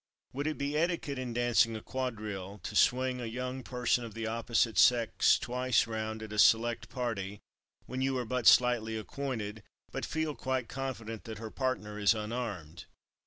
"Would it be etiquette in dancing a quadrille to swing a young person of the opposite sex twice round at a select party when you are but slightly acquainted, but feel quite confident that her partner is unarmed?"